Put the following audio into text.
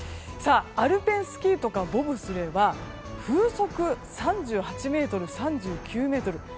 アルペンスキーとかボブスレーは風速３８メートル３９メートル。